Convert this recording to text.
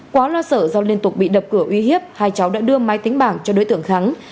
quá lo sợ do liên tục bị đập cửa uy hiếp hai cháu đã đưa máy tính bảng cho đối tượng thắng